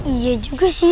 iya juga sih